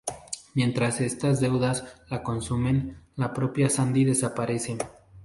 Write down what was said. Mientras estas dudas la consumen, la propia Sandy desaparece.